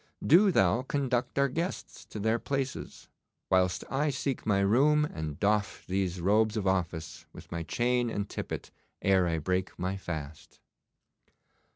'Do thou conduct our guests to their places, whilst I seek my room and doff these robes of office, with my chain and tippet, ere I break my fast.